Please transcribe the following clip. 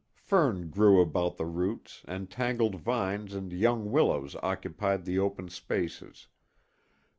Fern grew about the roots, and tangled vines and young willows occupied the open spaces.